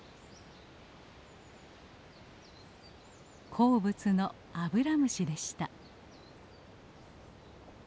好物のアブラムシでした。